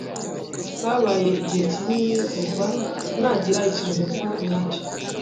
Habaye igihe kinini kuva nagira ikiruhuko nyacyo.